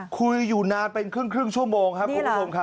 คุยอยู่นานเป็นครึ่งชั่วโมงครับคุณผู้ชมครับ